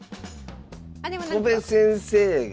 戸辺先生が。